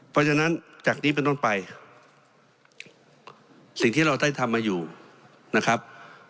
เพราะฉะนั้นจากนี้เป็นต้นไปสิ่งที่เราได้ทำมาอยู่นะครับ